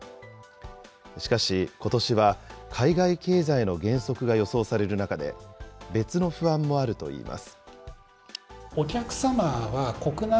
しかし、ことしは海外経済の減速が予想される中で、別の不安もあるといいます。